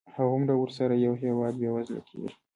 هغومره ورسره یو هېواد بېوزله کېږي.